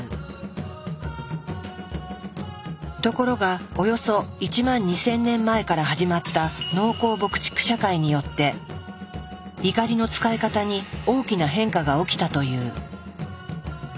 ところがおよそ１万２，０００年前から始まった農耕牧畜社会によって怒りの使い方に大きな変化が起きたという。